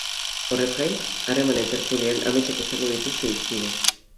Horrez gain, harremanen tertulian ametsak izango dituzte hizpide.